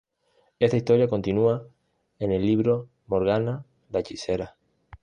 Esta historia continúa en el libro "Morgana la hechicera".